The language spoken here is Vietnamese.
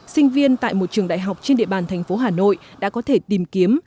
sinh viên tại một trường đại học trên địa bàn thành phố hà nội đã có thể tìm kiếm